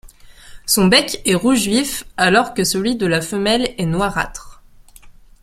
Son bec est rouge vif alors que celui de la femelle est noirâtre.